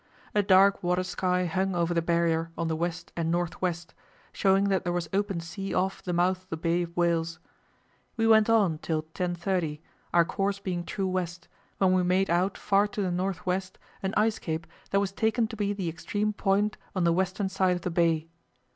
A dark water sky hung over the Barrier on the west and north west, showing that there was open sea off the mouth of the Bay of Whales. We went on till 10.30, our course being true west, when we made out far to the north west an ice cape that was taken to be the extreme point on the western side of the bay.